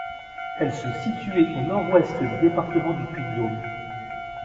Elles sont situées au nord-ouest du département du Puy-de-Dôme.